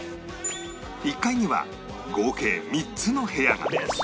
１階には合計３つの部屋が